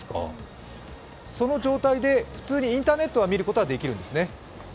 その状態で普通にインターネットは見ることはできるんですね？